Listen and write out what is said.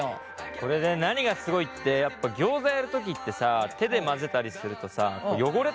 これね何がすごいってやっぱギョーザやる時ってさ手で混ぜたりするとさ汚れたりするじゃない？